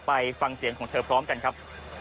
ไปฟังเสียงของเธอพร้อมกันครับ